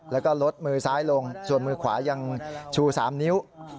แล้วก็ลดมือซ้ายลงส่วนมือขวายังชู๓นิ้ว